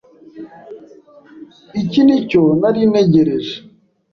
Iki nicyo nari ntegereje.